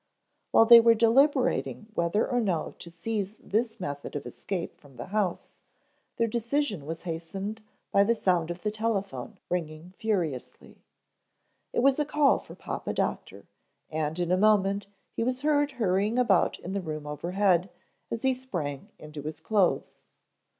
While they were deliberating whether or no to seize this method of escape from the house, their decision was hastened by the sound of the telephone ringing furiously. It was a call for Papa Doctor and in a moment he was heard hurrying about in the room overhead as he sprang into his clothes.